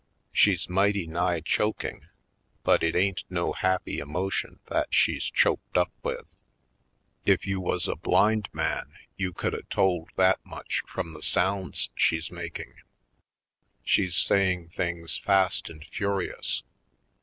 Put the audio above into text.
She's mighty nigh choking, but it ain't no happy emotion that she's choked up with; if you 220 /. Poindexter, Colored was a blind man you could a told that much from the sounds she's making. She's say ing things fast and furious.